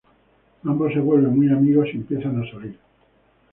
Ambos se vuelven muy amigos y empiezan a salir.